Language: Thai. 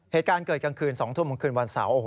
เหตุการณ์เกิดกลางคืน๒ทุ่มกลางคืนวันเสาร์